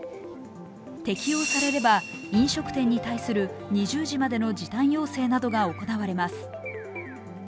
適用されれば飲食店に対する２０時までの時短要請などが行われます。